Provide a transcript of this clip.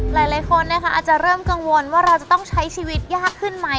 หลายคนนะคะอาจจะเริ่มกังวลว่าเราจะต้องใช้ชีวิตยากขึ้นไหม